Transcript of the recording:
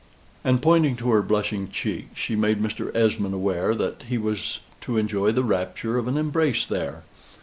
And pointing to her blushing cheek, she made Mr. Esmond aware that he was to enjoy the rapture of an embrace there.